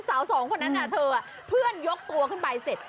สาวสองคนนั้นเธอเพื่อนยกตัวขึ้นไปเสร็จ